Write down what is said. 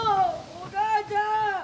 お母ちゃん！